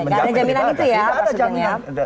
tidak ada jaminan